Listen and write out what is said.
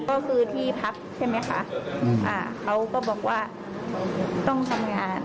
ก็คือที่พักใช่ไหมคะอ่าเขาก็บอกว่าต้องทำงาน